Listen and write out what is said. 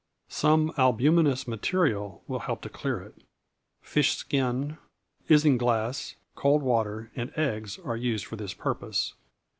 Some albuminous material will help to clear it. Fish skin, isinglass, cold water, and eggs are used for this purpose.